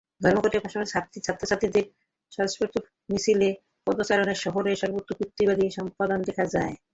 ধর্মঘটের পাশাপাশি ছাত্রছাত্রীদের স্বতঃস্ফূর্ত মিছিলের পদচারণে শহরের সর্বত্র প্রতিবাদী স্পন্দন দেখা দেয়।